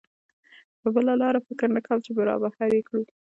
په بله لاره فکر نه کوم چې را بهر یې کړو.